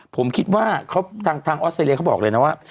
ผมคิดว่าทางออสเตรเลีเขาบอกเลยนะว่า